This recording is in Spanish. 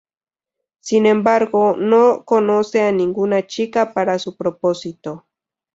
Sin embargo, no conoce a ninguna chica para su propósito.